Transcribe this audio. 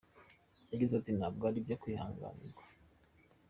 Yagize ati: "Ntabwo ari ibyo kwihanganirwa.